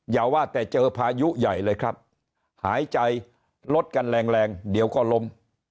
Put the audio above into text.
อย่าว่าแต่เจอพายุใหญ่เลยครับหายใจลดกันแรงแรงเดี๋ยวก็ล้ม